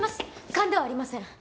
勘ではありません。